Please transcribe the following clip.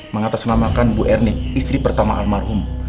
mengatasnamakan bu ernie istri pertama almarhum